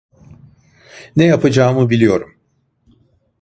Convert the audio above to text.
Ne yapacağımı biliyorum.